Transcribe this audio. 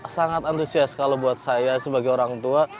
sangat antusias kalau buat saya sebagai orang tua